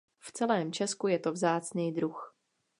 V celém Česku je to vzácný druh.